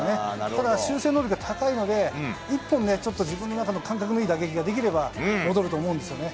ただ、修正能力が高いので、一本ね、ちょっと自分の中の感覚のいい打撃ができれば戻ると思うんですよね。